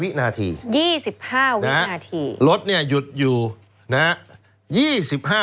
๒๕วินาทีนะฮะรถเนี่ยหยุดอยู่นะฮะ